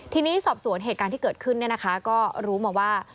ทีนี้สอบสวนเหตุการณ์ที่เกิดขึ้นก็รู้มาว่า